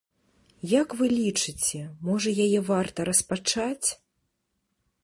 Як вы лічыце, можа яе варта распачаць?